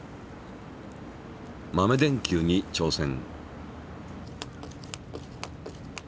豆電球に挑戦。